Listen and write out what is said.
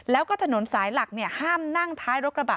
แล้วก็ถนนสายหลักห้ามนั่งท้ายรถกระบะ